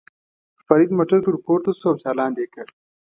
فرید موټر ته ور پورته شو او چالان یې کړ.